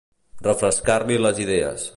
Refrescar-li les idees.